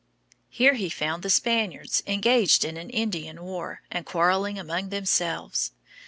Here he found the Spaniards engaged in an Indian war, and quarreling among themselves.